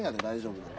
大丈夫？